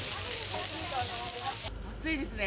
暑いですね。